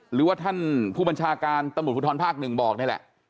หรือว่าท่านผู้บัญชาการตำบุธรภัณฑ์ภาค๑บอกนี่แหละ